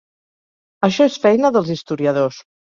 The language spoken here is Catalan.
Això és feina dels historiadors.